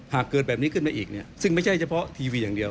เกิดแบบนี้ขึ้นมาอีกเนี่ยซึ่งไม่ใช่เฉพาะทีวีอย่างเดียว